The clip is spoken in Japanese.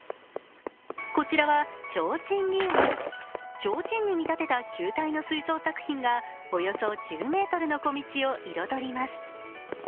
こちらは提灯リウム、ちょうちんに見立てた球体の水槽作品がおよそ１０ｍの小道を彩ります